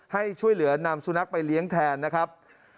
ให้ช่วยเหลือนำสุนัขไปเลี้ยงแทนนะครับ